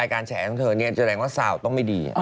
คนร้อง